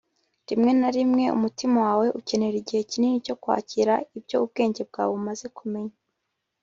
rimwe na rimwe, umutima wawe ukenera igihe kinini cyo kwakira ibyo ubwenge bwawe bumaze kumenya